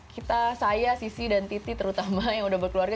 kita saya sisi dan titi terutama yang udah berkeluarga